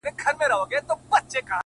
هو نور هم راغله په چکچکو؛ په چکچکو ولاړه؛